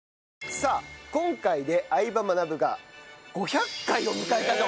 さあ今回で『相葉マナブ』が５００回を迎えたと。